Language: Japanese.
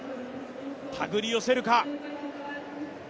手繰り寄せるか。